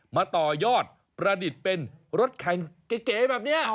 มาต่อยอดประดิษฐ์เป็นรถแข่งเก๋แบบนี้